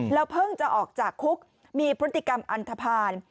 เพิ่งจะออกจากคุกมีพฤติกรรมอันทภาณ